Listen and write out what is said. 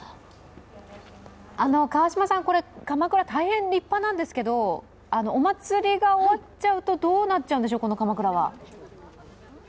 これ、かまくら、大変立派なんですけどお祭りが終わっちゃうとどうなっちゃうんでしょう、このかまくらは。